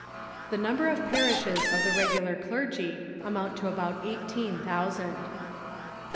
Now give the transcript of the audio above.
The number of parishes of the regular clergy amount to about eighteen thousand.